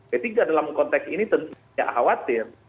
p tiga dalam konteks ini tentu tidak khawatir